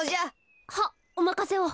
はっおまかせを。